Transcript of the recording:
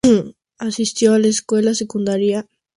Asistió a la escuela secundaria Drayton Manor High School.